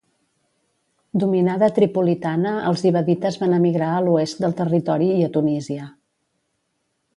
Dominada Tripolitana els ibadites van emigrar a l'oest del territori i a Tunísia.